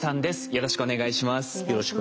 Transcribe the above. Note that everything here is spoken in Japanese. よろしくお願いします。